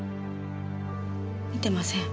見てません。